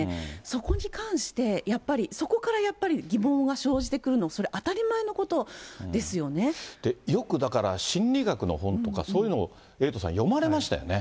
そこに関して、やっぱり、そこからやっぱり疑問が生じてくるの、よくだから、心理学の本とか、そういうのをエイトさん、読まれましたよね。